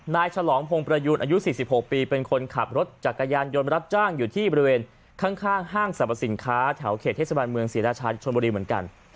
นายฉลองพงษ์ประยุทธ์อายุสี่สิบหกปีเป็นคนขับรถจักรยานยนต์รับจ้างอยู่ที่บริเวณข้างข้างห้างสรรพสินค้าแถวเขตเทศบรรณเมืองเศรษฐ์ชาติชนบริเหมือนกัน